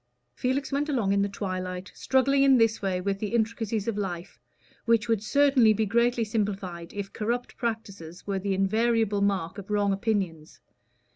Felix went along in the twilight struggling in this way with the intricacies of life, which would certainly be greatly simplified if corrupt practices were the invariable mark of wrong opinions.